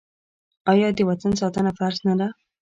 آیا د وطن ساتنه فرض نه ده؟